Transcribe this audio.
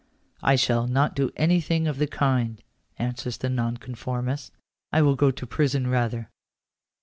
" I shall not do anything of the kind," answers the nonconformist ;" I will go to prison rather."